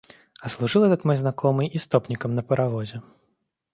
А служил этот мой знакомый истопником на паровозе.